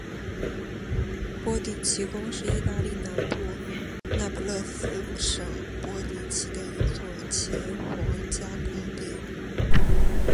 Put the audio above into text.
波蒂奇宫是意大利南部那不勒斯省波蒂奇的一座前皇家宫殿。